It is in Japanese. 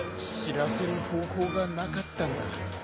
知らせる方法がなかったんだ。